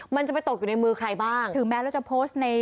มันจะไปตกอยู่ในมือใครบ้างถึงแม้เราจะโพสต์ใน